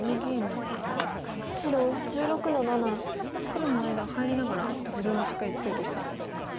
黒の間を入りながら自分もしっかり強くしていこうと。